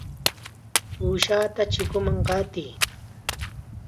¡Uushata chikunman qatiy!